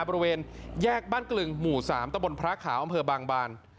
บริเวณแยกบ้านกลึงหมู่๓ตะบนพระขาวอำเภอบางบาน